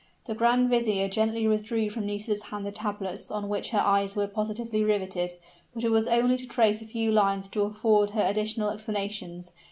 The grand vizier gently withdrew from Nisida's hand the tablets on which her eyes were positively riveted; but it was only to trace a few lines to afford her additional explanations.